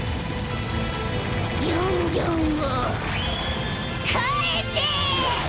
ギョンギョンをかえせ！